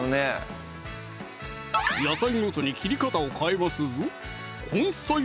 野菜ごとに切り方を変えますぞ